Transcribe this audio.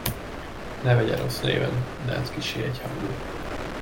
Ne vegye rossz néven, de ez kissé egyhangú.